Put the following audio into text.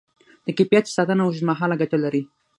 د کیفیت ساتنه اوږدمهاله ګټه لري.